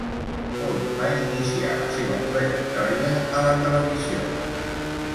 On va iniciar la seva trajectòria a la televisió?